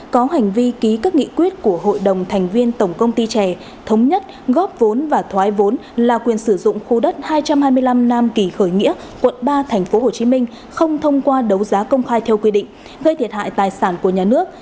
có hành vi ký các nghị quyết của hội đồng thành viên tổng công ty trẻ thống nhất góp vốn và thoái vốn là quyền sử dụng khu đất hai trăm hai mươi năm nam kỳ khởi nghĩa quận ba tp hcm không thông qua đấu giá công khai theo quy định gây thiệt hại tài sản của nhà nước